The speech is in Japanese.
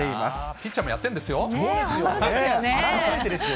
ピッチャーもやってるんですそうですよ。